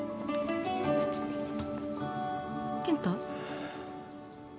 健太？